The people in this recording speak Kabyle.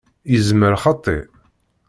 Yezmer xaṭi.